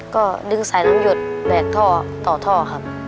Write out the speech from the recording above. ก็ดึงสายน้ำหยดแบกท่อต่อท่อครับ